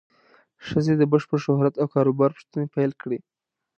ښځې د بشپړ شهرت او کار و بار پوښتنې پیل کړې.